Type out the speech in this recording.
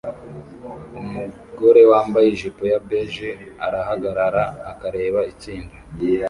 Umugore wambaye ijipo ya beige arahagarara akareba itsinda